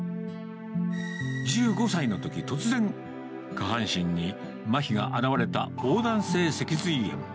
１５歳のとき、突然、下半身にまひが現れた、横断性脊髄炎。